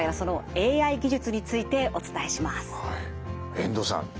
遠藤さん